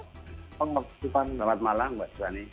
selamat malam mbak suhani